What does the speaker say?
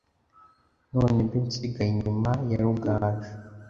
none mbe nsigaye inyuma ya Rugaju;